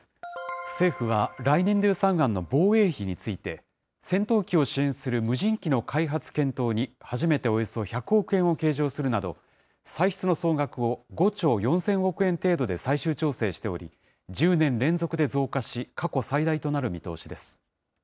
政府は来年度予算案の防衛費について、戦闘機を支援する無人機の開発・検討に初めておよそ１００億円を計上するなど、歳出の総額を５兆４０００億円程度で最終調整しており、１０年連続で増加し、過去最大となる見通しです。